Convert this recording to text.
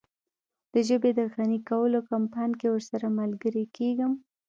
د ژبې د غني کولو کمپاین کې ورسره ملګری کیږم.